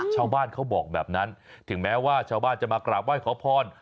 ชาวบ้านเขาบอกแบบนั้นถึงแม้ว่าชาวบ้านจะมากราบไหว้ขอพร